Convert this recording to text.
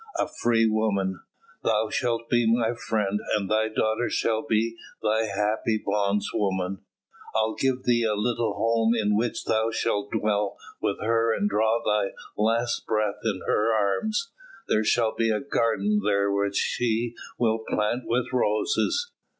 A free woman, thou shalt be my friend and thy daughter shall be thy happy bondswoman. I'll give thee a little home in which thou shalt dwell with her and draw thy last breath in her arms; there shall be a garden there which she will plant with roses.